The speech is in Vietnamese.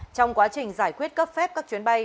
trong quá trình giải quyết cấp phép các chuyến bay